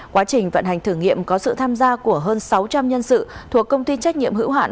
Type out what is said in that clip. quá trình vận hành thử nghiệm có sự tham gia của hơn sáu trăm linh nhân sự thuộc công ty trách nhiệm hữu hạn